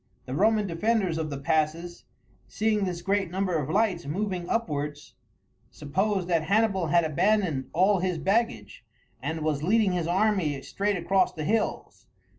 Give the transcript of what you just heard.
The Roman defenders of the passes, seeing this great number of lights moving upwards, supposed that Hannibal had abandoned all his baggage, and was leading his army straight across the hills.